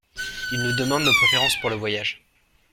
Il nous demande nos préférences pour le voyage.